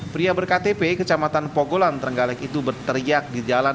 pria berktp kecamatan pogolan trenggalek itu berteriak di jalan